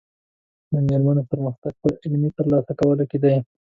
د مېرمنو پرمختګ په علمي ترلاسه کولو کې دی.